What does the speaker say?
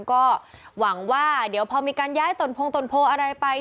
ก็หวังว่าเดี๋ยวพอมีการย้ายตนพงตนโพอะไรไป